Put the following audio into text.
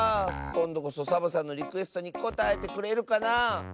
こんどこそサボさんのリクエストにこたえてくれるかなあ。